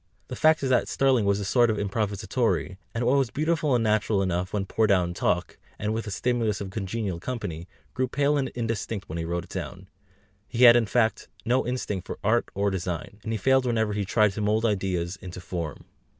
The fact is that Sterling was a sort of improvisatore, and what was beautiful and natural enough when poured out in talk, and with the stimulus of congenial company, grew pale and indistinct when he wrote it down; he had, in fact, no instinct for art or for design, and he failed whenever he tried to mould ideas into form.